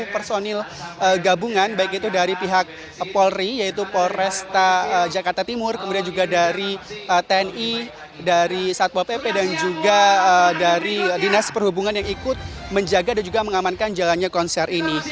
tiga puluh personil gabungan baik itu dari pihak polri yaitu polresta jakarta timur kemudian juga dari tni dari satwa pp dan juga dari dinas perhubungan yang ikut menjaga dan juga mengamankan jalannya konser ini